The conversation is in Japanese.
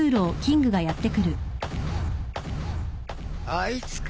あいつか。